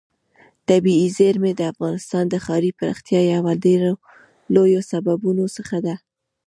طبیعي زیرمې د افغانستان د ښاري پراختیا یو له ډېرو لویو سببونو څخه ده.